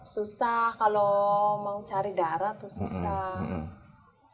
susah kalau mau cari darah tuh susah